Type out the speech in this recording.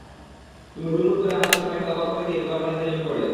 তুমি হুড়মুড় করে আমাদের সবাইকে অবাক করে দিয়ে ডোবার পানিতে নেমে পড়লে।